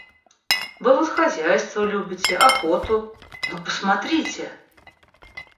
Вы вот хозяйство любите, охоту, — ну посмотрите!